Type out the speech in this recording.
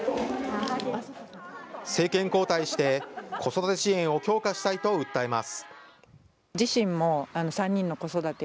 政権交代して、子育て支援を強化したいと訴えます。